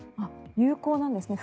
有効なんですね。